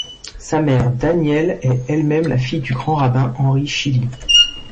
Sa mère Danielle est elle-même la fille du Grand rabbin Henri Schilli.